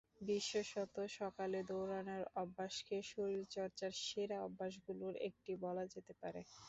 বিশেষত সকালে দৌড়ানোর অভ্যাসকে শরীরচর্চার সেরা অভ্যাসগুলোর একটা বলা যেতে পারে।